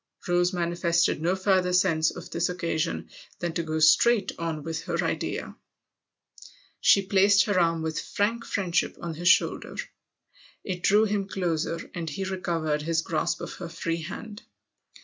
Rose manifested no further sense of this occasion than to go straight on with her idea. She placed her arm with frank friendship on his shoulder. It drew him closer, and he recovered his grasp of her free hand.